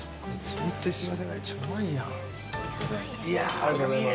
ありがとうございます。